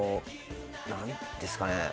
何ですかね？